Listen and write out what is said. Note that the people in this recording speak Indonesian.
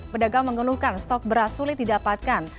pedagang mengeluhkan stok beras sulit didapatkan